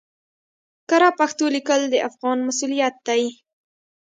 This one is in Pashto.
کره پښتو ليکل د افغان مسؤليت دی